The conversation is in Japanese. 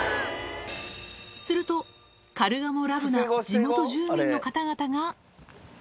すると、カルガモＬＯＶＥな地元住民の方々が。